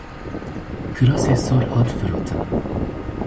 Kirasê sor hat firotin.